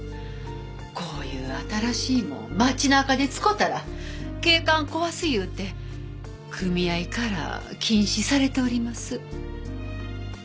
こういう新しいもん街中で使たら景観壊す言うて組合から禁止されております。